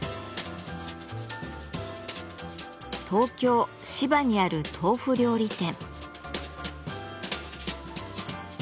東京・芝にある豆腐料理店。